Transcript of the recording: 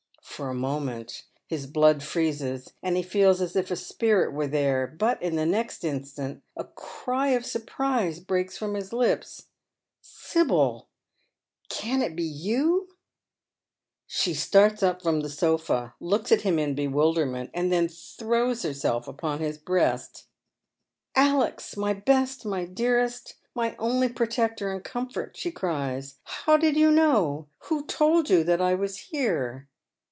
For a moment his blood freezes, and he feels as if a spiiitwere there ; but in the next instant a cry of surprise breaks from hia lips, " Sibyl, can it be you ?" Slie starts up from the sofa, looks at him in bewilderment, and then throws herself upon his breast. " Alex, my best, my dearest, my only protector and »omfort,," she cries, " how did you know — who told you that I was here